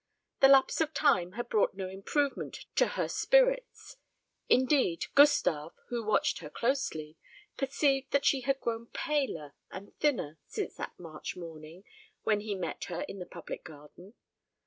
The lapse of time had brought no improvement to her spirits; indeed, Gustave, who watched her closely, perceived that she had grown paler and thinner since that March morning when he met her in the public garden.